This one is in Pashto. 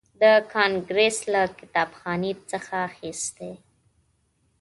د کانګریس له کتابخانې څخه اخیستی.